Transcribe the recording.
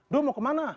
do mau kemana